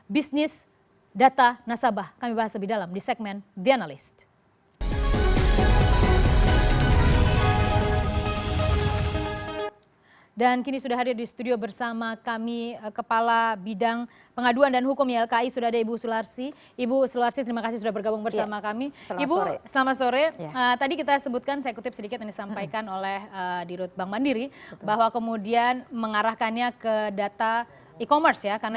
bisnis data nasabah kami bahas lebih dalam di segmen the analyst